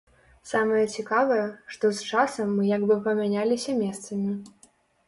Самае цікавае, што з часам мы як бы памяняліся месцамі.